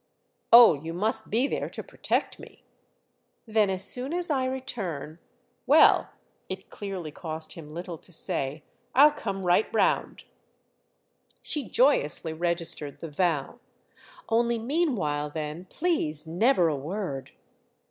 "Oh, you must be there to protect me!" "Then as soon as I return——!" "Well,"—it clearly cost him little to say—"I'll come right round." She joyously registered the vow. "Only meanwhile then, please, never a word!"